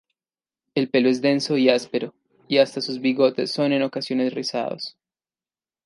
El pelo es denso y áspero, y hasta sus bigotes son en ocasiones rizados.